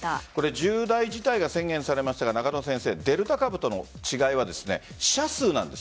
重大事態が宣言されましたがデルタ株との違いは死者数なんです。